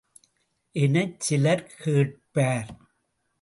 எனச் சிலர் கேட்பார்.